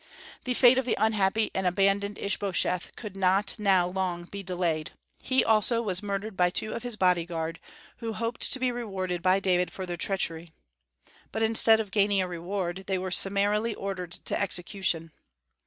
The fate of the unhappy and abandoned Ishbosheth could not now long be delayed. He also was murdered by two of his body guard, who hoped to be rewarded by David for their treachery; but instead of gaining a reward, they were summarily ordered to execution.